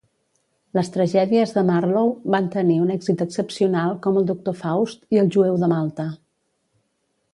Les tragèdies de Marlowe van tenir un èxit excepcional, com "El Doctor Faust" i "El Jueu de Malta".